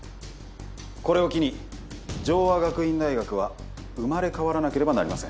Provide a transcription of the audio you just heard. これを機に城和学院大学は生まれ変わらなければなりません